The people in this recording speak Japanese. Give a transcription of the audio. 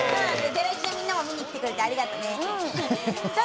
『ゼロイチ』のみんなも見に来てくれてありがとね！